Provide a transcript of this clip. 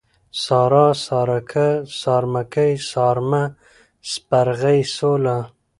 سارا ، سارکه ، سارمکۍ ، سارمه ، سپرغۍ ، سوله